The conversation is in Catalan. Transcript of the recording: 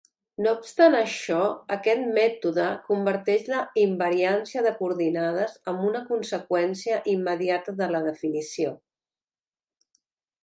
No obstant això, aquest mètode converteix la invariància de coordinades en una conseqüència immediata de la definició.